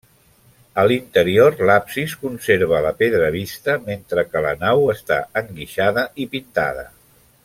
A l'interior l'absis conserva la pedra vista, mentre que la nau està enguixada i pintada.